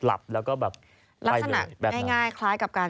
ระสนักง่ายคล้ายกับการ